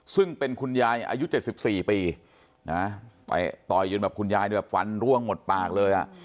ซึ่งเป็นคุณยายอายุเจ็ดสิบสี่ปีนะฮะไปตอยยืนแบบคุณยายด้วยแบบฟันร่วงหมดปากเลยอ่ะ